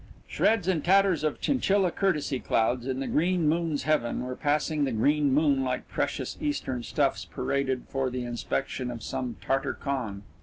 Shreds and tatters of chinchilla, courtesy clouds in the green moon's heaven, were passing the green moon like precious Eastern stuffs paraded for the inspection of some Tartar Khan.